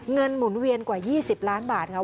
เงินหมุนเวียนกว่า๒๐ล้านบาทนะคะ